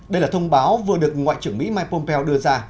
đây là thông báo vừa được ngoại trưởng mỹ mike pompeo đưa ra